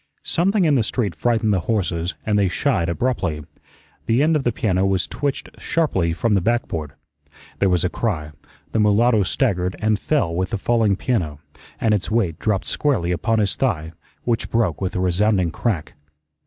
Something in the street frightened the horses and they shied abruptly. The end of the piano was twitched sharply from the backboard. There was a cry, the mulatto staggered and fell with the falling piano, and its weight dropped squarely upon his thigh, which broke with a resounding crack.